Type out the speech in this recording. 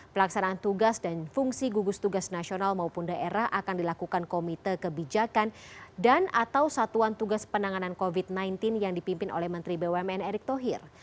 pelaksanaan tugas dan fungsi gugus tugas nasional maupun daerah akan dilakukan komite kebijakan dan atau satuan tugas penanganan covid sembilan belas yang dipimpin oleh menteri bumn erick thohir